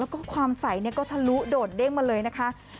พี่ฝนใส่เนี่ยก็ทะลุโดดเด้งมาเลยนะคะ